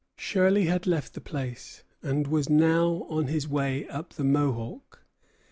Shirley had left the place, and was now on his way up the Mohawk.